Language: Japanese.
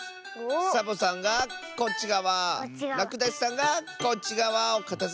サボさんがこっちがわらくだしさんがこっちがわをかたづけるんだね。